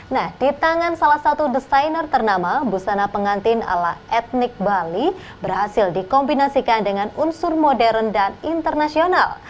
nah di tangan salah satu desainer ternama busana pengantin ala etnik bali berhasil dikombinasikan dengan unsur modern dan internasional